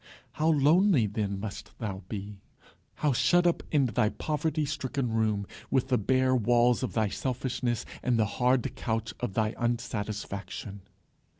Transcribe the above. How lonely then must thou be! how shut up in thy poverty stricken room, with the bare walls of thy selfishness, and the hard couch of thy unsatisfaction!